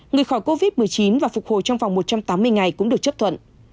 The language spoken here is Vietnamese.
người khỏi covid một mươi chín và phục hồi trong vòng một trăm tám mươi ngày cũng được chấp thuận